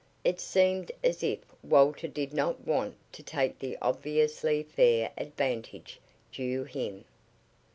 It seemed as if Walter did not want to take the obviously fair advantage due him.